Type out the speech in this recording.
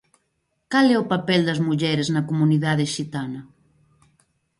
Cal é o papel das mulleres na comunidade xitana?